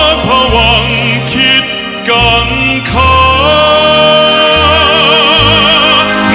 ไม่เร่รวนภาวะผวังคิดกังคัน